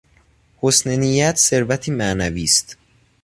حسن نیت ثروتی معنوی است.